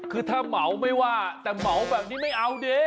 คือถ้าเหมาไม่ว่าแต่เหมาแบบนี้ไม่เอาดิ